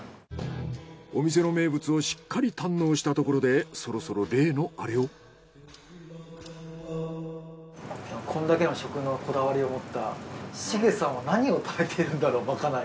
お店の名物をしっかり堪能したところでそろそろこんだけの食のこだわりを持ったシゲさんは何を食べているんだろうまかない。